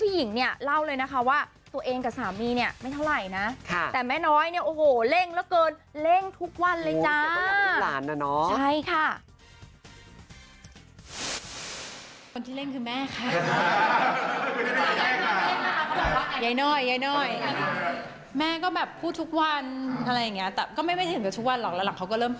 หญิงเนี่ยเล่าเลยนะคะว่าตัวเองกับสามีเนี่ยไม่เท่าไหร่นะแต่แม่น้อยเนี่ยโอ้โหเร่งเหลือเกินเร่งทุกวันเลยจ้า